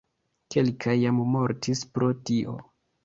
Kelkaj jam mortis pro tio.